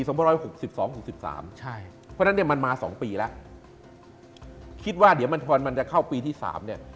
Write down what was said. เพราะฉะนั้นเนี่ยมันมา๒ปีแล้วคิดว่าเดี๋ยวมันมันจะเข้าปีที่๓เนี่ย